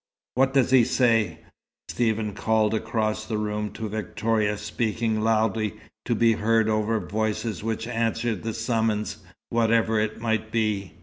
"What does he say?" Stephen called across the room to Victoria, speaking loudly to be heard over voices which answered the summons, whatever it might be.